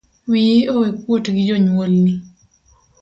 Wiyi owekuot gi janyuolni